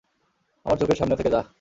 আমার চোখের সামনে থেকে যাহ্।